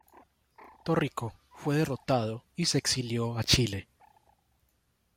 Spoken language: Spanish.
Torrico fue derrotado y se exilió a Chile.